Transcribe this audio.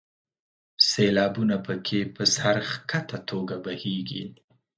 سیلابونه په کې په سر ښکته توګه بهیږي.